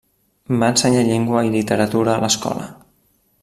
Va ensenyar llengua i literatura a l'escola.